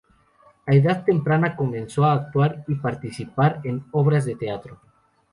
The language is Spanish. A temprana edad, comenzó a actuar y participar en obras de teatro.